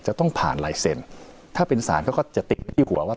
จะต้องผ่านไลเซ็นไลเซ็นถ้าเป็นศาลก็จะติดที่หัวว่า